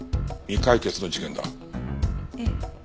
ええ。